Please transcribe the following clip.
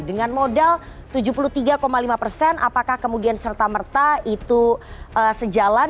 dengan modal tujuh puluh tiga lima persen apakah kemudian serta merta itu sejalan